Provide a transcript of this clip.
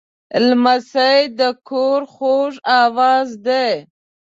لمسی د کور خوږ آواز دی.